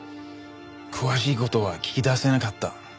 詳しい事は聞き出せなかった。